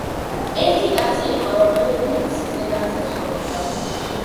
ერთი კაცი იყო, რომელიც ზეგანზე ცხოვრობდა